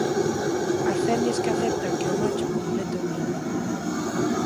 As femias que aceptan que o macho complete o niño.